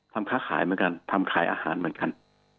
ค้าขายเหมือนกันทำขายอาหารเหมือนกัน